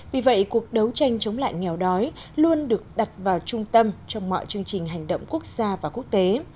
vì vậy cuộc đấu tranh chống lại nghèo đói luôn được đặt vào trung tâm trong mọi chương trình hành động quốc gia và quốc tế